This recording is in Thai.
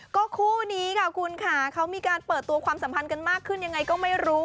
ก็คู่นี้ค่ะคุณค่ะเขามีการเปิดตัวความสัมพันธ์กันมากขึ้นยังไงก็ไม่รู้